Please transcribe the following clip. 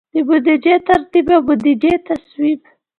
د بودیجې ترتیب او د بودیجې تصویب.